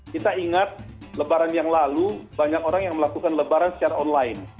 kita ingat lebaran yang lalu banyak orang yang melakukan lebaran secara online